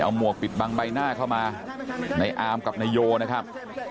หมวกปิดบังใบหน้าเข้ามาในอามกับนายโยนะครับ